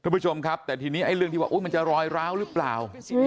คุณผู้ชมครับแต่ทีนี้ไอ้เรื่องที่ว่ามันจะรอยร้าวหรือเปล่า